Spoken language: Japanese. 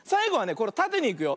これたてにいくよ。